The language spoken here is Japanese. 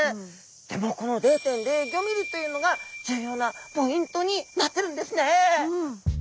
でもこの０．０５ｍｍというのが重要なポイントになってるんですね！